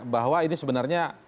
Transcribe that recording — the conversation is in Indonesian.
bahwa ini sebenarnya